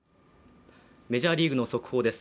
メジャーリーグの速報です。